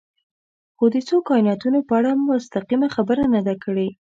خو د څو کایناتونو په اړه مستقیمه خبره نه ده کړې.